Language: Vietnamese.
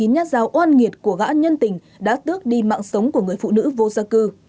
hai mươi chín nhát dao oan nghiệt của gã nhân tình đã tước đi mạng sống của người phụ nữ vô gia cư